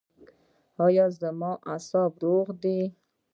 ایا زما اعصاب روغ دي؟